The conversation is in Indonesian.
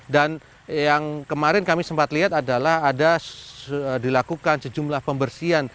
yang kemarin kami sempat lihat adalah ada dilakukan sejumlah pembersihan